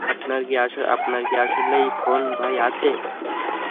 আপনার কি আসলেই কোন ভাই আছে?